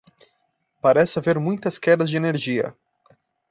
Parece haver muitas quedas de energia.